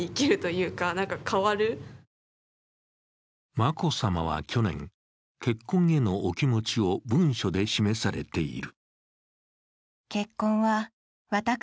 眞子さまは去年、結婚へのお気持ちを文書で示されている。